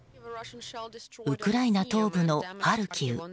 ウクライナ東部のハルキウ。